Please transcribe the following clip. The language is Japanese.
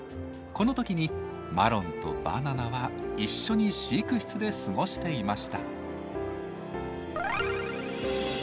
この時にマロンとバナナは一緒に飼育室で過ごしていました。